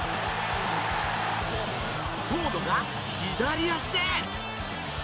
フォードが左足で。